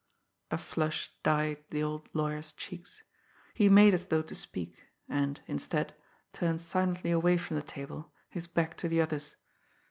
A flush dyed the old lawyer's cheeks. He made as though to speak and, instead, turned silently away from the table, his back to the others.